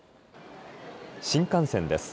新幹線です。